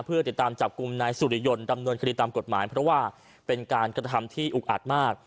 เพื่อติดตามจับกลุ่มนายสุริยนต์ดำเนินคดีตามกฎหมายเพราะว่าเป็นการกระทำที่อุกอัดมาก